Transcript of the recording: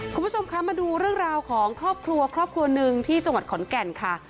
คุณผู้ชมคะมาดูเรื่องราวของครอบครัวครอบครัวหนึ่งที่จังหวัดขอนแก่นค่ะ